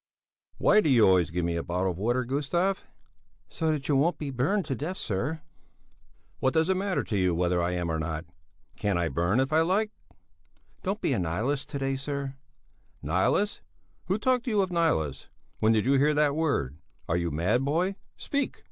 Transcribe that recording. "Why do you always give me a bottle of water, Gustav?" "So that you won't be burned to death, sir." "What does it matter to you whether I am or not? Can't I burn if I like?" "Don't be a nihilist to day, sir." "Nihilist? Who talked to you of nihilists? When did you hear that word? Are you mad, boy? Speak!"